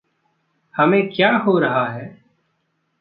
हमें क्या हो रहा है?